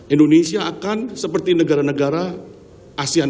indonesia akan seperti negara negara asean